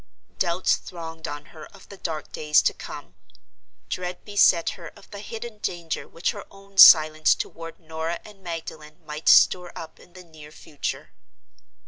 Doubts thronged on her of the dark days to come; dread beset her of the hidden danger which her own silence toward Norah and Magdalen might store up in the near future.